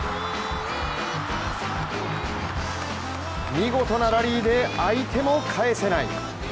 見事なラリーで相手も返せない。